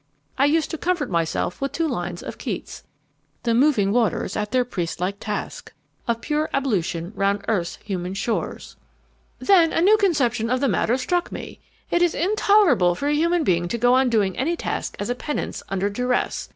I used to comfort myself with two lines of Keats: 'The moving waters at their priest like task Of pure ablution round earth's human shores ' Then a new conception of the matter struck me. It is intolerable for a human being to go on doing any task as a penance, under duress.